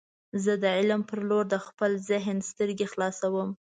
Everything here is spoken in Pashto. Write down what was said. زه د علم په لور د خپل ذهن سترګې خلاصوم.